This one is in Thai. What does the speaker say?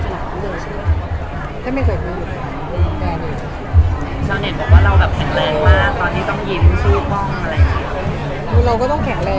ชาวเน็ตบอกว่าเราแข็งแรงว่าตอนนี้ต้องยิ้มซื้อป้องอะไรอย่างนี้